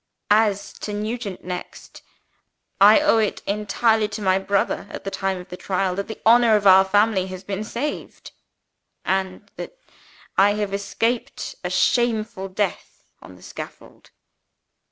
"As to Nugent next. I owe it entirely to my brother (at the time of the Trial) that the honor of our family has been saved, and that I have escaped a shameful death on the scaffold.